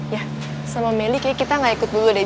ya sama melly kayaknya kita nggak ikut dulu deh